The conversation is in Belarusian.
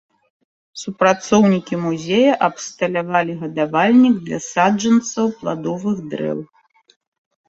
Супрацоўнікі музея абсталявалі гадавальнік для саджанцаў пладовых дрэў.